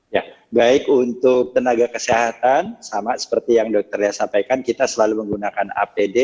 ya baik untuk tenaga kesehatan sama seperti yang dokter ya sampaikan kita selalu menggunakan apd